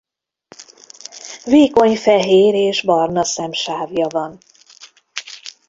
Vékony fehér és barna szemsávja van.